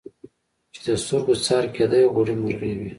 چي د سترګو څار کېدی غوړي مرغې وې